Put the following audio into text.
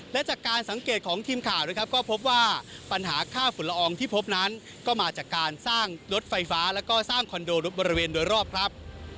และจากการสังเกตของทีมข่าวนะครับก็พบว่าปัญหาค่าฝุ่นละอองที่พบนั้นก็มาจากการสร้างรถไฟฟ้าแล้วก็สร้างคอนโดบริเวณโดยรอบครับ